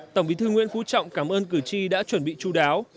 tổng bí thư nguyễn phú trọng cảm ơn cử tri đã chuẩn bị chú đáo